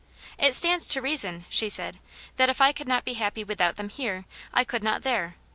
" It stands to reason," she said, " that if I could not be happy without them here, I could not there.